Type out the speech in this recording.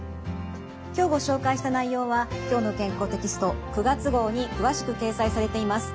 今日ご紹介した内容は「きょうの健康」テキスト９月号に詳しく掲載されています。